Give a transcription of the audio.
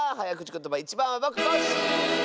ことばいちばんはぼくコッシー！